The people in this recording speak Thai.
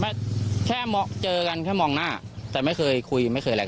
ไม่รู้จักกันแค่เจอกันแค่มองหน้าแต่ไม่เคยคุยไม่เคยอะไรกัน